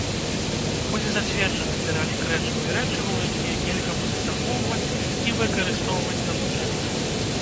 Будзе зацверджаны пералік рэчаў і рэчываў, якія нельга будзе захоўваць і выкарыстоўваць навучэнцам.